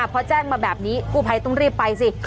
พอแจ้งมาแบบนี้กู้ภัยต้องรีบไปสิ